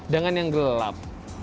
dengan yang gelap